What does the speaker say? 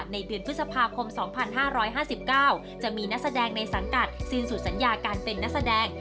เดือนพฤษภาคม๒๕๕๙จะมีนักแสดงในสังกัดสิ้นสุดสัญญาการเป็นนักแสดง